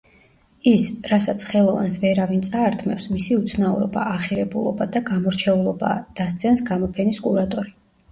ის, რასაც ხელოვანს ვერავინ წაართმევს, მისი უცნაურობა, ახირებულობა და გამორჩეულობაა – დასძენს გამოფენის კურატორი.